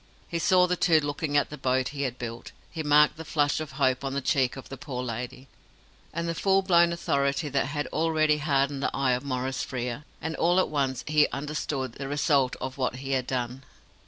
He saw the two looking at the boat he had built. He marked the flush of hope on the cheek of the poor lady, and the full blown authority that already hardened the eye of Maurice Frere, and all at once he understood the result of what he had done.